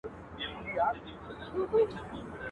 آسمانه ما ستا د ځوانۍ په تمه.